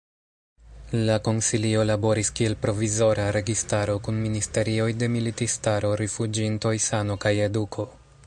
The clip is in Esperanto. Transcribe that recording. La Konsilio laboris kiel provizora registaro, kun ministerioj de militistaro, rifuĝintoj, sano kaj eduko.